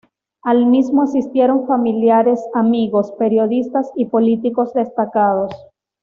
Al mismo asistieron familiares, amigos, periodistas y políticos destacados.